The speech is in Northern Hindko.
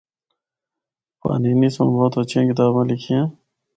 پانینی سنڑ بہت ہچھیاں کتاباں لکھیاں۔